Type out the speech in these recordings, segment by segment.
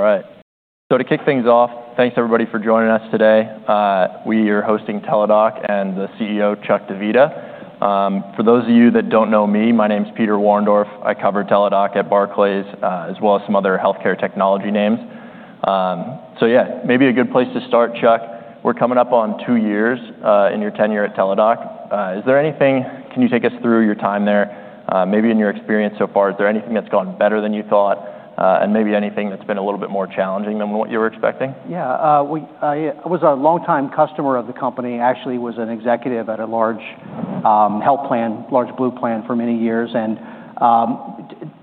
All right. To kick things off, thanks everybody for joining us today. We are hosting Teladoc and the CEO, Chuck Divita. For those of you that don't know me, my name's Peter Warendorf. I cover Teladoc at Barclays, as well as some other Healthcare Technology names. Maybe a good place to start, Chuck, we're coming up on two years in your tenure at Teladoc. Can you take us through your time there? Maybe in your experience so far, is there anything that's gone better than you thought, and maybe anything that's been a little bit more challenging than what you were expecting? Yeah. I was a longtime customer of the company, actually was an executive at a large health plan, large blue plan for many years, and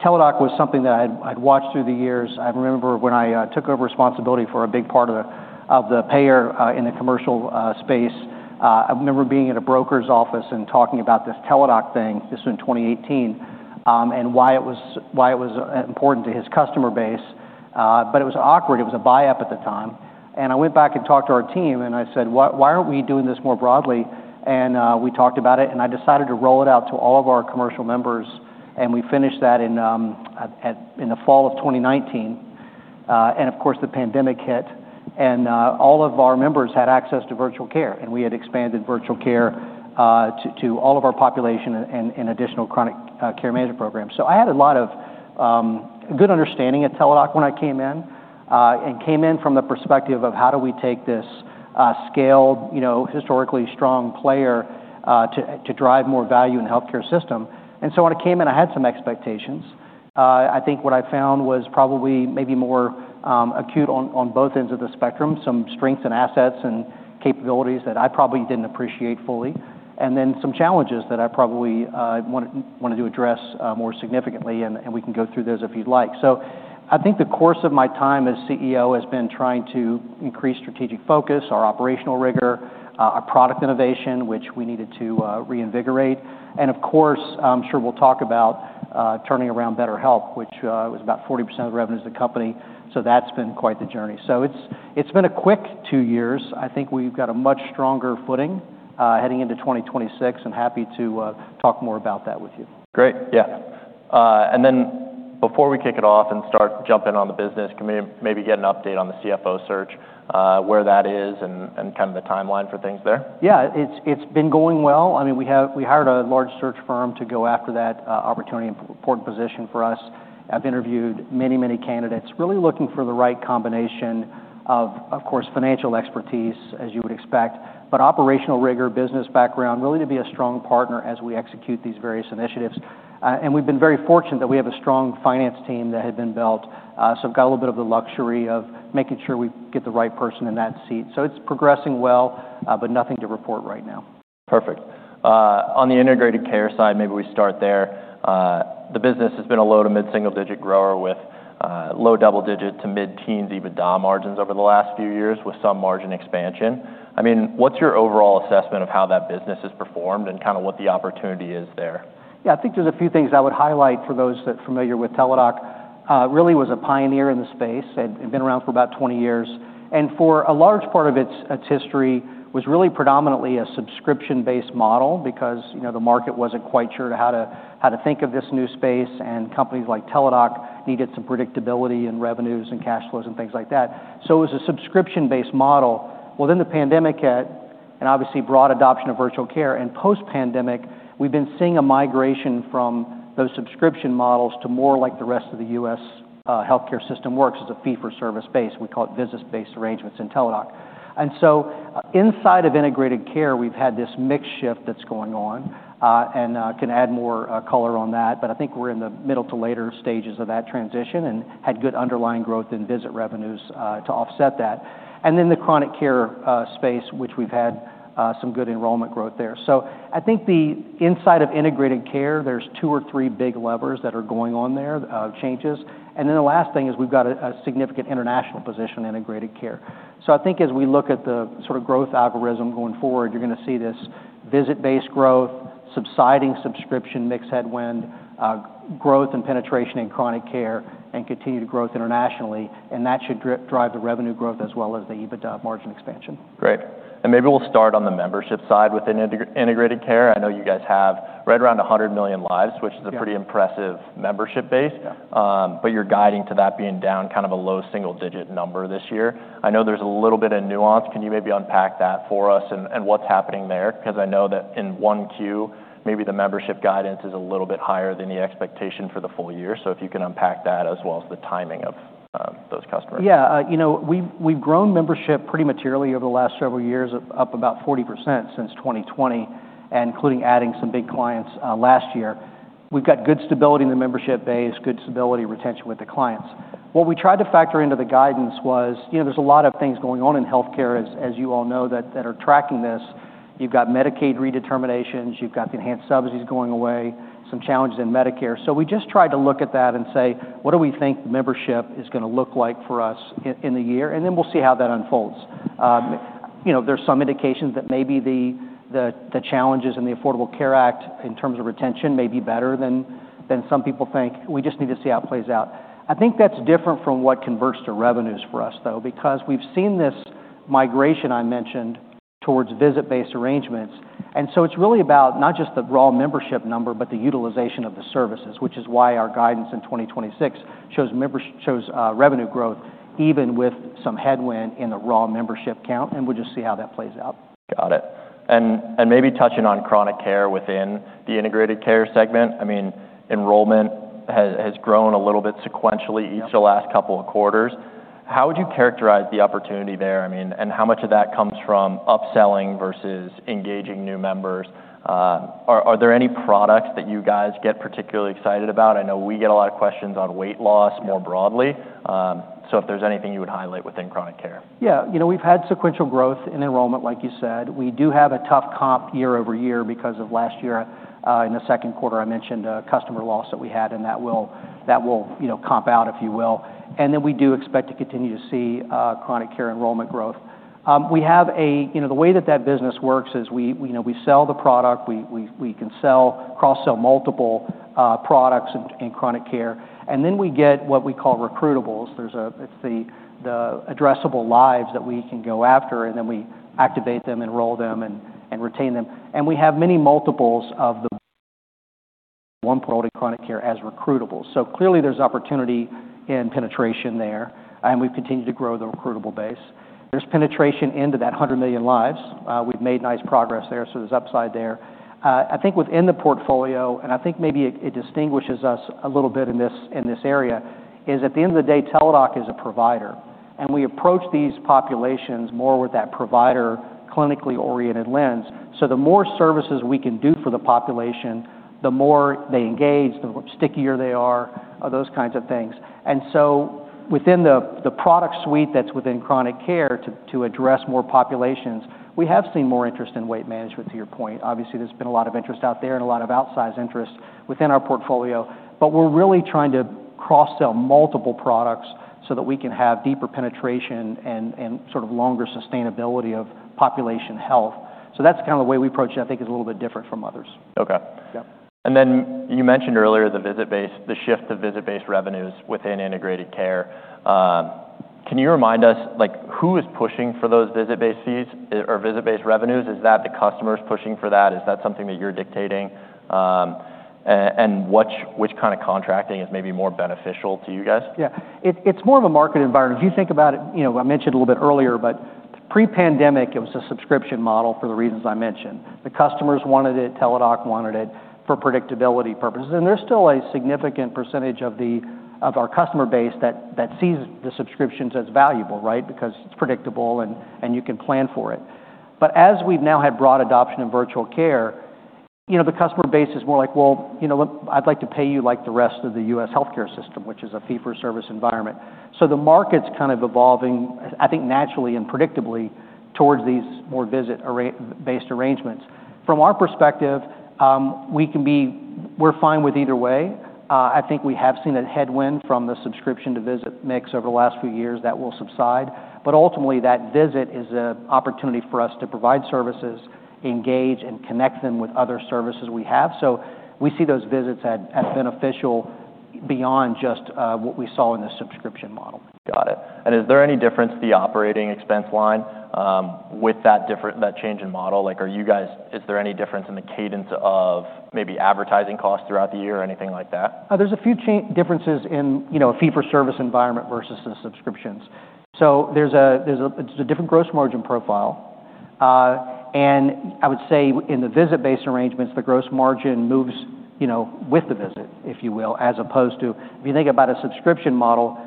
Teladoc was something that I'd watched through the years. I remember when I took over responsibility for a big part of the payer in the commercial space. I remember being at a broker's office and talking about this Teladoc thing, this was in 2018, and why it was important to his customer base. It was awkward. It was a buy-up at the time. I went back and talked to our team, and I said, "Why aren't we doing this more broadly?" We talked about it, and I decided to roll it out to all of our commercial members, and we finished that in the fall of 2019. Of course, the pandemic hit, and all of our members had access to Virtual Care, and we had expanded Virtual Care to all of our population and additional Chronic Care Management programs. I had a lot of good understanding at Teladoc when I came in from the perspective of how do we take this scaled, you know, historically strong player to drive more value in the healthcare system. When I came in, I had some expectations. I think what I found was probably maybe more acute on both ends of the spectrum, some strengths and assets and capabilities that I probably didn't appreciate fully, and then some challenges that I probably wanted to address more significantly, and we can go through those if you'd like. I think the course of my time as CEO has been trying to increase strategic focus, our operational rigor, our product innovation, which we needed to reinvigorate. Of course, I'm sure we'll talk about turning around BetterHelp, which was about 40% of the revenues of the company. That's been quite the journey. It's been a quick two years. I think we've got a much stronger footing heading into 2026 and happy to talk more about that with you. Great. Yeah. Before we kick it off and start jumping on the business, can we maybe get an update on the CFO search, where that is and kind of the timeline for things there? Yeah. It's been going well. I mean, we hired a large search firm to go after that opportunity, important position for us. I've interviewed many candidates, really looking for the right combination of course, financial expertise, as you would expect, but operational rigor, business background, really to be a strong partner as we execute these various initiatives. And we've been very fortunate that we have a strong finance team that had been built, so we've got a little bit of the luxury of making sure we get the right person in that seat. It's progressing well, but nothing to report right now. Perfect. On the Integrated Care side, maybe we start there. The business has been a low- to mid-single-digit grower with low double-digit to mid-teens EBITDA margins over the last few years with some margin expansion. I mean, what's your overall assessment of how that business has performed and kinda what the opportunity is there? Yeah. I think there's a few things I would highlight for those that are familiar with Teladoc, really was a pioneer in the space and had been around for about 20 years. For a large part of its history, was really predominantly a subscription-based model because, you know, the market wasn't quite sure how to think of this new space, and companies like Teladoc needed some predictability in revenues and cash flows and things like that. It was a subscription-based model. Well, then the pandemic hit and obviously broad adoption of Virtual Care, and post-pandemic, we've been seeing a migration from those subscription models to more like the rest of the U.S. healthcare system works as a fee-for-service basis. We call it business-based arrangements in Teladoc. Inside of Integrated Care, we've had this mix shift that's going on, and can add more color on that. But I think we're in the middle to later stages of that transition and had good underlying growth in visit revenues to offset that. The Chronic Care space, which we've had some good enrollment growth there. I think inside of Integrated Care, there's two or three big levers that are going on there, changes. The last thing is we've got a significant international position in Integrated Care. I think as we look at the sort of growth algorithm going forward, you're gonna see this visit-based growth, subsiding subscription mix headwind, growth and penetration in Chronic Care and continued growth internationally, and that should drive the revenue growth as well as the EBITDA margin expansion. Great. Maybe we'll start on the membership side within Integrated Care. I know you guys have right around 100 million lives which is a pretty impressive membership base. You're guiding to that being down kind of a low single-digit number this year. I know there's a little bit of nuance. Can you maybe unpack that for us and what's happening there? Because I know that in 1Q, maybe the membership guidance is a little bit higher than the expectation for the full year. If you can unpack that as well as the timing of those customers. Yeah. You know, we've grown membership pretty materially over the last several years, up about 40% since 2020, including adding some big clients last year. We've got good stability in the membership base, good stability retention with the clients. What we tried to factor into the guidance was, you know, there's a lot of things going on in healthcare, as you all know, that are tracking this. You've got Medicaid redeterminations, you've got the enhanced subsidies going away, some challenges in Medicare. We just tried to look at that and say, "What do we think membership is gonna look like for us in the year?" Then we'll see how that unfolds. You know, there's some indications that maybe the challenges in the Affordable Care Act in terms of retention may be better than some people think. We just need to see how it plays out. I think that's different from what converts to revenues for us, though, because we've seen this migration I mentioned towards visit-based arrangements. It's really about not just the raw membership number, but the utilization of the services, which is why our guidance in 2026 shows revenue growth even with some headwind in the raw membership count, and we'll just see how that plays out. Got it. Maybe touching on Chronic Care within the Integrated Care segment, I mean, enrollment has grown a little bit sequentially each of the last couple of quarters. How would you characterize the opportunity there? I mean, how much of that comes from upselling versus engaging new members? Are there any products that you guys get particularly excited about? I know we get a lot of questions on weight loss more broadly. If there's anything you would highlight within Chronic Care. Yeah. You know, we've had sequential growth in enrollment, like you said. We do have a tough comp year over year because of last year in the second quarter. I mentioned a customer loss that we had, and that will, you know, comp out, if you will. We do expect to continue to see Chronic Care enrollment growth. You know, the way that that business works is we sell the product. We can sell, cross-sell multiple products in Chronic Care. We get what we call recruitables. It's the addressable lives that we can go after, and then we activate them, enroll them, and retain them. We have many multiples of the one product Chronic Care as recruitables. Clearly there's opportunity in penetration there, and we've continued to grow the recruitable base. There's penetration into that 100 million lives. We've made nice progress there, so there's upside there. I think within the portfolio, and I think maybe it distinguishes us a little bit in this area, is at the end of the day, Teladoc is a provider, and we approach these populations more with that provider clinically oriented lens. The more services we can do for the population, the more they engage, the stickier they are, those kinds of things. Within the product suite that's within Chronic Care to address more populations, we have seen more interest in weight management, to your point. Obviously, there's been a lot of interest out there and a lot of outsized interest within our portfolio, but we're really trying to cross-sell multiple products so that we can have deeper penetration and sort of longer sustainability of population health. That's kinda the way we approach it. I think it's a little bit different from others. Okay. Yeah. You mentioned earlier the shift to visit-based revenues within Integrated Care. Can you remind us, like, who is pushing for those visit-based fees or visit-based revenues? Is that the customers pushing for that? Is that something that you're dictating? And which kind of contracting is maybe more beneficial to you guys? Yeah. It's more of a market environment. If you think about it, you know, I mentioned a little bit earlier, but pre-pandemic, it was a subscription model for the reasons I mentioned. The customers wanted it, Teladoc wanted it for predictability purposes. There's still a significant percentage of our customer base that sees the subscriptions as valuable, right? Because it's predictable and you can plan for it. As we've now had broad adoption in Virtual Care, you know, the customer base is more like, "Well, you know what? I'd like to pay you like the rest of the U.S. healthcare system," which is a fee-for-service environment. The market's kind of evolving, I think naturally and predictably, towards these more visit-based arrangements. From our perspective, we're fine with either way. I think we have seen a headwind from the subscription-to-visit mix over the last few years that will subside. Ultimately, that visit is a opportunity for us to provide services, engage, and connect them with other services we have. We see those visits as beneficial beyond just what we saw in the subscription model. Got it. Is there any difference to the operating expense line, with that change in model? Like, is there any difference in the cadence of maybe advertising costs throughout the year or anything like that? There's a few differences in, you know, fee-for-service environment versus the subscriptions. It's a different gross margin profile. I would say in the visit-based arrangements, the gross margin moves, you know, with the visit, if you will, as opposed to if you think about a subscription model,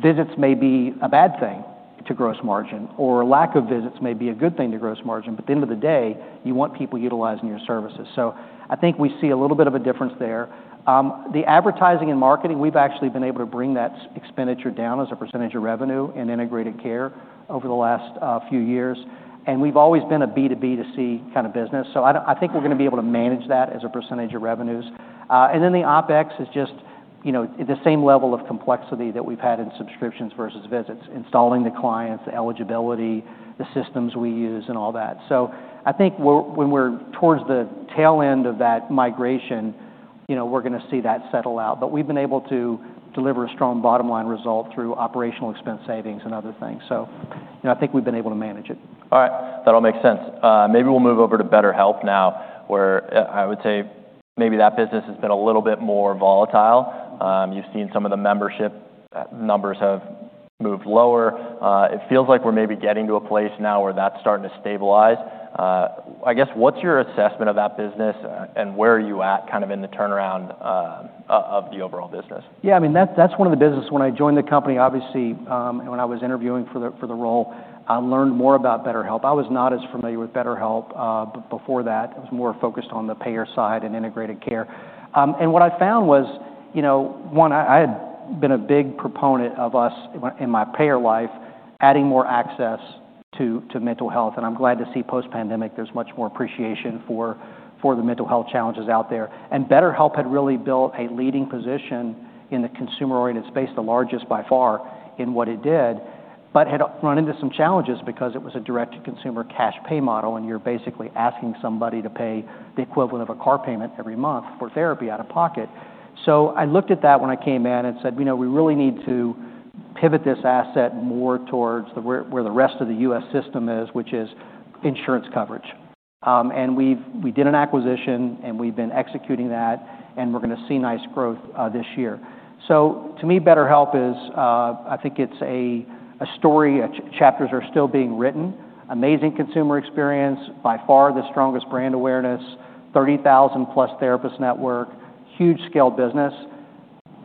visits may be a bad thing to gross margin, or lack of visits may be a good thing to gross margin. At the end of the day, you want people utilizing your services. I think we see a little bit of a difference there. The advertising and marketing, we've actually been able to bring that spend down as a percentage of revenue in Integrated Care over the last few years. We've always been a B2B, B2C kind of business. I think we're gonna be able to manage that as a percentage of revenues. The OpEx is just, you know, the same level of complexity that we've had in subscriptions versus visits, installing the clients, the eligibility, the systems we use, and all that. I think when we're towards the tail end of that migration, you know, we're gonna see that settle out. We've been able to deliver a strong bottom line result through operational expense savings and other things. You know, I think we've been able to manage it. All right. That all makes sense. Maybe we'll move over to BetterHelp now, where I would say maybe that business has been a little bit more volatile. You've seen some of the membership numbers have moved lower. It feels like we're maybe getting to a place now where that's starting to stabilize. I guess, what's your assessment of that business, and where are you at kind of in the turnaround of the overall business? Yeah. I mean, that's one of the business when I joined the company, obviously, and when I was interviewing for the role, I learned more about BetterHelp. I was not as familiar with BetterHelp before that. I was more focused on the payer side and Integrated Care. What I found was, you know, one, I had been a big proponent of us in my payer life, adding more access to Mental Health. I'm glad to see post-pandemic, there's much more appreciation for the Mental Health challenges out there. BetterHelp had really built a leading position in the consumer-oriented space, the largest by far in what it did, but had run into some challenges because it was a direct-to-consumer cash pay model, and you're basically asking somebody to pay the equivalent of a car payment every month for therapy out of pocket. I looked at that when I came in and said, "You know, we really need to pivot this asset more towards where the rest of the U.S. system is, which is insurance coverage." We did an acquisition, and we've been executing that, and we're gonna see nice growth this year. To me, BetterHelp is, I think it's a story. Chapters are still being written. Amazing consumer experience. By far the strongest brand awareness, 30,000+ therapist network, huge scale business,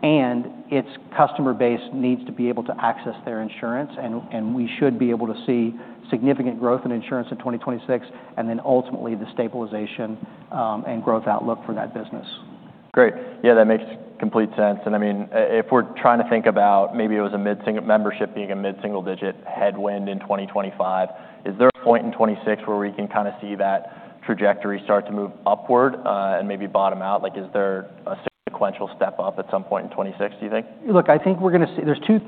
and its customer base needs to be able to access their insurance and we should be able to see significant growth in insurance in 2026, and then ultimately the stabilization and growth outlook for that business. Great. Yeah, that makes complete sense. I mean, if we're trying to think about maybe membership being a mid-single-digit headwind in 2025, is there a point in 2026 where we can kinda see that trajectory start to move upward, and maybe bottom out? Like, is there a sequential step up at some point in 2026, do you think? Look, I think we're gonna see. There's two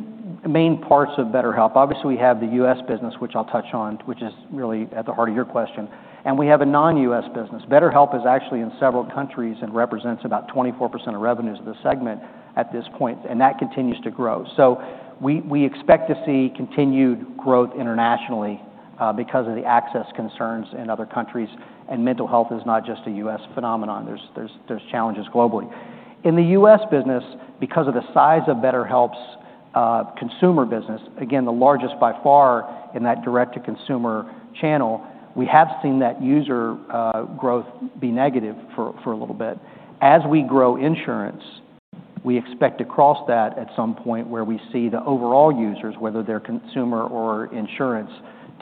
main parts of BetterHelp. Obviously, we have the U.S. business, which I'll touch on, which is really at the heart of your question, and we have a non-U.S. business. BetterHelp is actually in several countries and represents about 24% of revenues of the segment at this point, and that continues to grow. We expect to see continued growth internationally because of the access concerns in other countries. Mental Health is not just a U.S. phenomenon. There's challenges globally. In the U.S. business, because of the size of BetterHelp's consumer business, again, the largest by far in that direct-to-consumer channel, we have seen that user growth be negative for a little bit. As we grow insurance, we expect to cross that at some point where we see the overall users, whether they're consumer or insurance,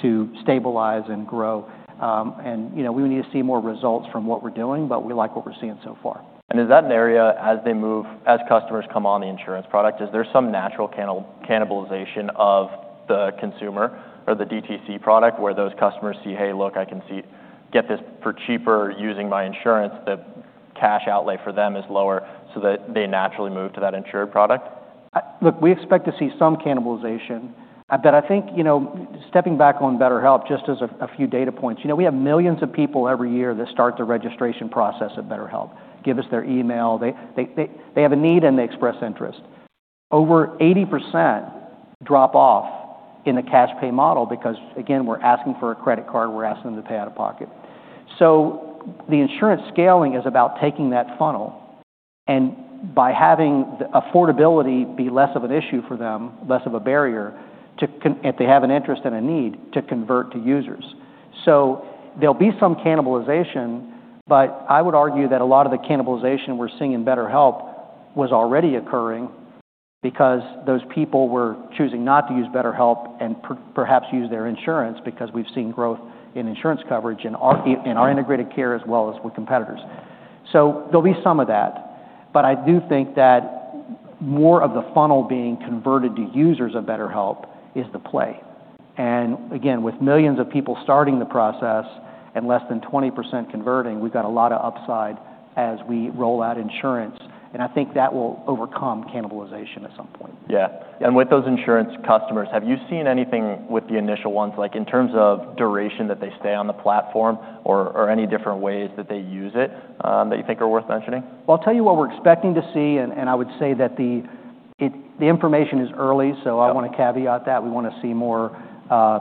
to stabilize and grow. You know, we would need to see more results from what we're doing, but we like what we're seeing so far. Is that an area as customers come on the insurance product, is there some natural cannibalization of the consumer or the DTC product, where those customers see, "Hey, look, I can get this for cheaper using my insurance," the cash outlay for them is lower so that they naturally move to that insured product? Look, we expect to see some cannibalization, but I think, you know, stepping back on BetterHelp, just as a few data points. You know, we have millions of people every year that start the registration process at BetterHelp, give us their email. They have a need, and they express interest. Over 80% drop off in the cash pay model because, again, we're asking for a credit card, we're asking them to pay out of pocket. The insurance scaling is about taking that funnel, and by having the affordability be less of an issue for them, less of a barrier if they have an interest and a need to convert to users. There'll be some cannibalization, but I would argue that a lot of the cannibalization we're seeing in BetterHelp was already occurring because those people were choosing not to use BetterHelp and perhaps use their insurance because we've seen growth in insurance coverage in our Integrated Care as well as with competitors. There'll be some of that. I do think that more of the funnel being converted to users of BetterHelp is the play. Again, with millions of people starting the process and less than 20% converting, we've got a lot of upside as we roll out insurance, and I think that will overcome cannibalization at some point. Yeah. With those insurance customers, have you seen anything with the initial ones, like in terms of duration that they stay on the platform or any different ways that they use it, that you think are worth mentioning? I'll tell you what we're expecting to see, and I would say that the information is early, so I wanna caveat that. We wanna see more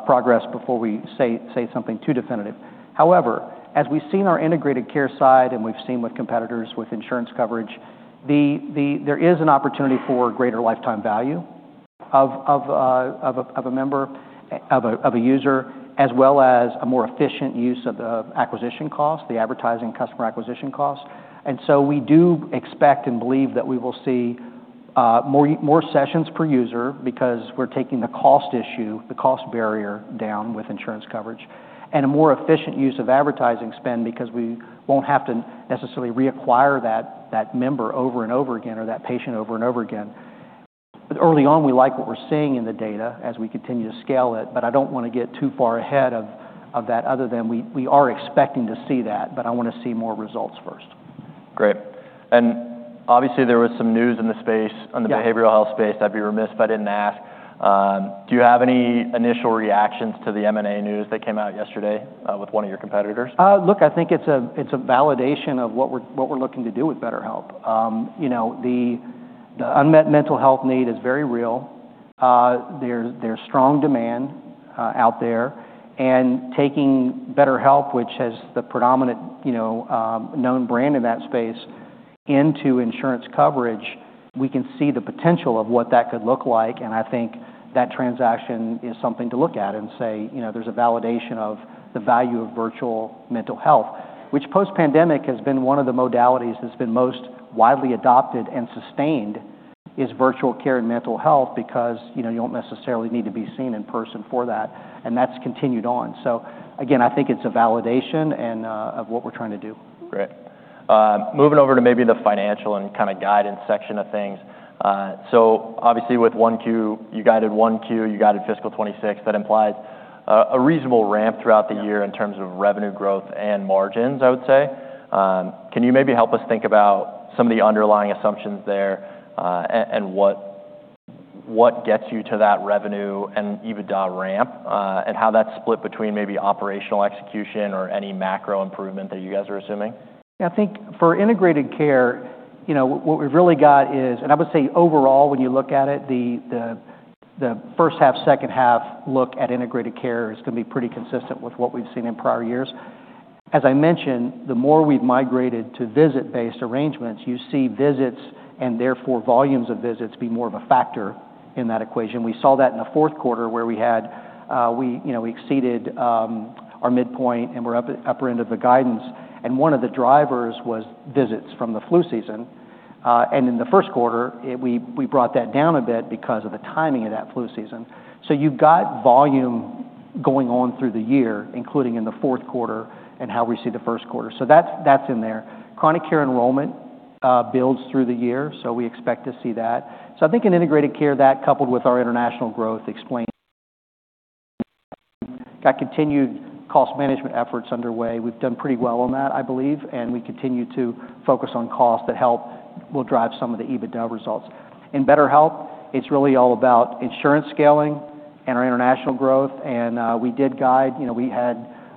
progress before we say something too definitive. However, as we've seen our Integrated Care side and we've seen with competitors with insurance coverage, there is an opportunity for greater lifetime value of a member, of a user, as well as a more efficient use of the acquisition cost, the advertising customer acquisition cost. We do expect and believe that we will see more sessions per user because we're taking the cost issue, the cost barrier down with insurance coverage, and a more efficient use of advertising spend because we won't have to necessarily reacquire that member over and over again or that patient over and over again. Early on, we like what we're seeing in the data as we continue to scale it, but I don't wanna get too far ahead of that other than we are expecting to see that, but I wanna see more results first. Great. Obviously, there was some news in the space on the behavioral health space that I'd be remiss if I didn't ask. Do you have any initial reactions to the M&A news that came out yesterday, with one of your competitors? Look, I think it's a validation of what we're looking to do with BetterHelp. You know, the unmet Mental Health need is very real. There's strong demand out there, and taking BetterHelp, which has the predominant, you know, known brand in that space, into insurance coverage, we can see the potential of what that could look like. I think that transaction is something to look at and say, you know, there's a validation of the value of Virtual Mental Health, which post-pandemic has been one of the modalities that's been most widely adopted and sustained, is Virtual Care and Mental Health because, you know, you don't necessarily need to be seen in person for that, and that's continued on. Again, I think it's a validation of what we're trying to do. Great. Moving over to maybe the financial and kind of guidance section of things. Obviously with 1Q, you guided fiscal 2026. That implies a reasonable ramp throughout the year in terms of revenue growth and margins, I would say. Can you maybe help us think about some of the underlying assumptions there, and what gets you to that revenue and EBITDA ramp, and how that's split between maybe operational execution or any macro improvement that you guys are assuming? I think for Integrated Care, you know, what we've really got and I would say overall, when you look at it, the first half, second half outlook for Integrated Care is gonna be pretty consistent with what we've seen in prior years. As I mentioned, the more we've migrated to visit-based arrangements, you see visits and therefore volumes of visits be more of a factor in that equation. We saw that in the fourth quarter where we had, you know, we exceeded our midpoint and were upper end of the guidance, and one of the drivers was visits from the flu season. In the first quarter, we brought that down a bit because of the timing of that flu season. You've got volume going on through the year, including in the fourth quarter and how we see the first quarter. That's in there. Chronic Care enrollment builds through the year, so we expect to see that. I think in Integrated Care, that coupled with our international growth explains our continued cost management efforts underway. We've done pretty well on that, I believe, and we continue to focus on costs that will drive some of the EBITDA results. In BetterHelp, it's really all about insurance scaling and our international growth, and we did guide. You know, we had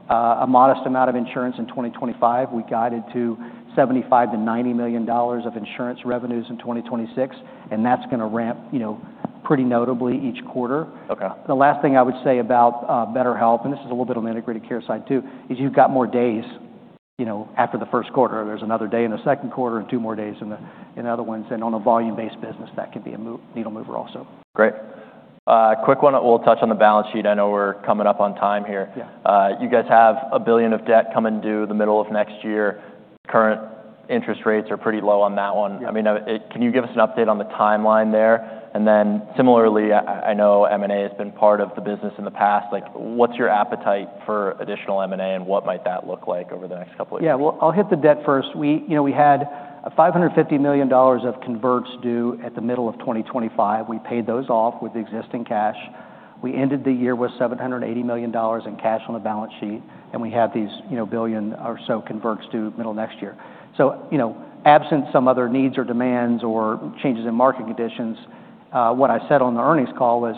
a modest amount of insurance in 2025. We guided to $75 million-$90 million of insurance revenues in 2026, and that's gonna ramp, you know, pretty notably each quarter. Okay. The last thing I would say about BetterHelp, and this is a little bit on the Integrated Care side too, is you've got more days, you know, after the first quarter. There's another day in the second quarter and two more days in the other ones. On a volume-based business, that could be a needle mover also. Great. Quick one, we'll touch on the balance sheet. I know we're coming up on time here. You guys have $1 billion of debt coming due the middle of next year. Current interest rates are pretty low on that one. I mean, can you give us an update on the timeline there? Similarly, I know M&A has been part of the business in the past. Like, what's your appetite for additional M&A, and what might that look like over the next couple of years? Yeah. Well, I'll hit the debt first. We, you know, we had $550 million of converts due at the middle of 2025. We paid those off with existing cash. We ended the year with $780 million in cash on the balance sheet, and we have these, you know, $1 billion or so converts due middle of next year. You know, absent some other needs or demands or changes in market conditions, what I said on the earnings call was,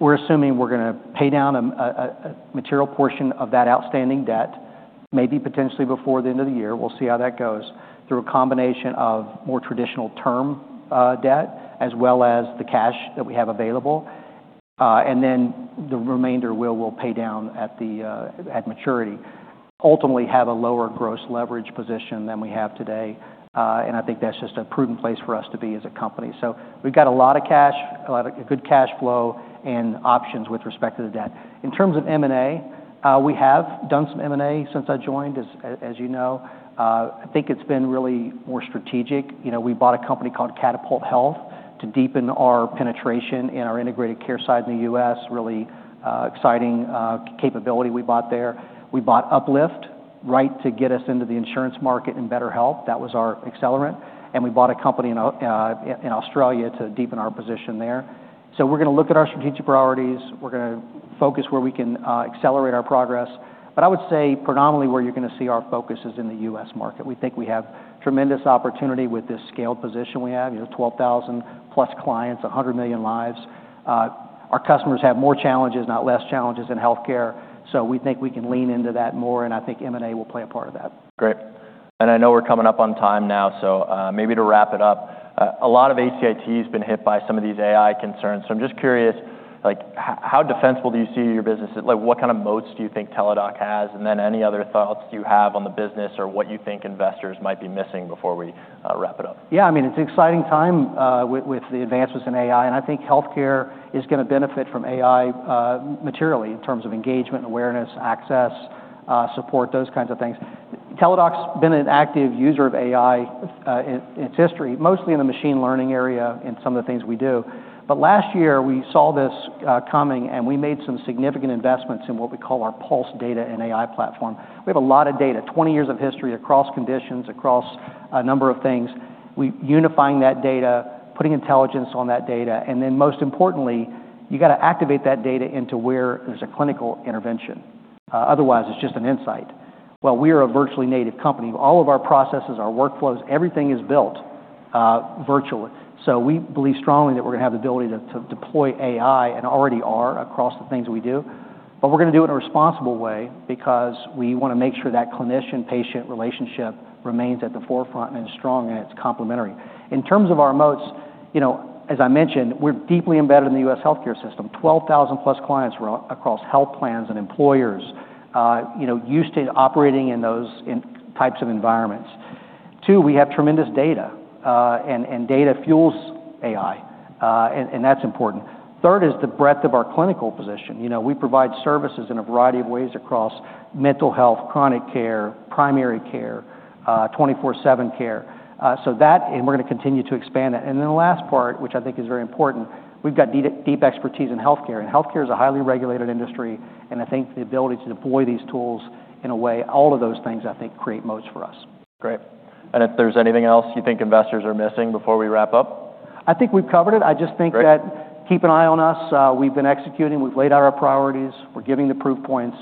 we're assuming we're gonna pay down a material portion of that outstanding debt, maybe potentially before the end of the year, we'll see how that goes, through a combination of more traditional term debt as well as the cash that we have available. Then the remainder we'll pay down at maturity. Ultimately have a lower gross leverage position than we have today, and I think that's just a prudent place for us to be as a company. We've got a lot of cash, a lot of good cash flow and options with respect to the debt. In terms of M&A, we have done some M&A since I joined, as you know. I think it's been really more strategic. You know, we bought a company called Catapult Health to deepen our penetration in our Integrated Care side in the U.S. really exciting capability we bought there. We bought UpLift right to get us into the insurance market in BetterHelp. That was our accelerant. We bought a company in Australia to deepen our position there. We're gonna look at our strategic priorities. We're gonna focus where we can accelerate our progress. I would say predominantly where you're gonna see our focus is in the U.S. market. We think we have tremendous opportunity with this scaled position we have. You know, 12,000+ clients, 100 million lives. Our customers have more challenges, not less challenges in healthcare, so we think we can lean into that more, and I think M&A will play a part of that. Great. I know we're coming up on time now, so, maybe to wrap it up. A lot of HCIT has been hit by some of these AI concerns, so I'm just curious, like, how defensible do you see your business? Like, what kind of moats do you think Teladoc has? And then any other thoughts you have on the business or what you think investors might be missing before we wrap it up? Yeah, I mean, it's an exciting time with the advances in AI, and I think healthcare is gonna benefit from AI materially in terms of engagement, awareness, access, support, those kinds of things. Teladoc's been an active user of AI in its history, mostly in the machine learning area in some of the things we do. Last year, we saw this coming, and we made some significant investments in what we call our Pulse Health data in AI platform. We have a lot of data, 20 years of history across conditions, across a number of things. We're unifying that data, putting intelligence on that data, and then most importantly, you gotta activate that data into where there's a clinical intervention. Otherwise, it's just an insight. Well, we are a virtually native company. All of our processes, our workflows, everything is built virtually. We believe strongly that we're gonna have the ability to deploy AI, and already are across the things we do. We're gonna do it in a responsible way because we wanna make sure that clinician-patient relationship remains at the forefront and is strong and it's complementary. In terms of our moats, you know, as I mentioned, we're deeply embedded in the U.S. healthcare system. 12,000 plus clients across health plans and employers, you know, used to operating in those types of environments. Two, we have tremendous data, and data fuels AI, and that's important. Third is the breadth of our clinical position. You know, we provide services in a variety of ways across Mental Health, Chronic Care, Primary Care, 24/7 Care, and we're gonna continue to expand that. The last part, which I think is very important, we've got deep expertise in healthcare, and healthcare is a highly regulated industry, and I think the ability to deploy these tools in a way, all of those things I think create moats for us. Great. If there's anything else you think investors are missing before we wrap up? I think we've covered it. I just think that. Great. Keep an eye on us. We've been executing. We've laid out our priorities. We're giving the proof points.